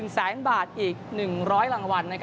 ๑แสนบาทอีก๑๐๐รางวัล